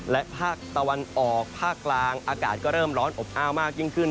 และภาคตะวันออกภาคกลางอากาศก็เริ่มร้อนอบอ้าวมากยิ่งขึ้น